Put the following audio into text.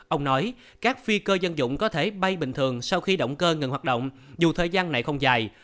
ông nói các phi cơ dân dụng có thể bay bình thường sau khi động cơ ngừng hoạt động dù thời gian này không dài